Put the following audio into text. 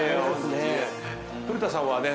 古田さんはね